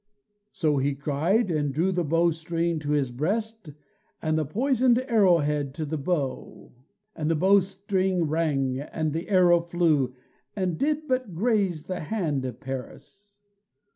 So he cried and drew the bowstring to his breast and the poisoned arrowhead to the bow, and the bowstring rang, and the arrow flew, and did but graze the hand of Paris.